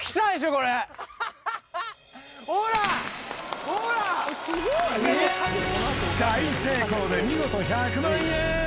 これ大成功で見事１００万円